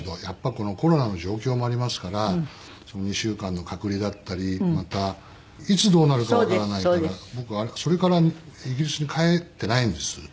やっぱりコロナの状況もありますから２週間の隔離だったりまたいつどうなるかわからないから僕それからイギリスに帰ってないんです。